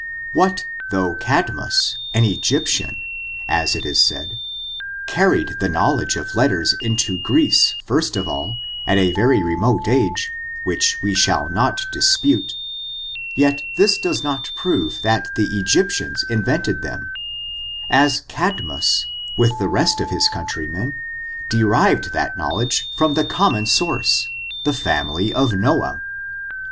What though Cadmus, an Egyptian, as it is said, carried the knowledge of letters into Greece first of all, at a very remote age, which we shall not dispute, yet this doe; not prove that the Egyptians invented them, as Cadmus, with the rest of his countrjrmen, derived that knowledge from the common source — the family of Noah.